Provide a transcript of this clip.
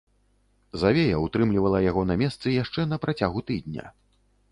Завея ўтрымлівала яго на месцы яшчэ на працягу тыдня.